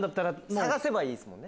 探せばいいんすもんね。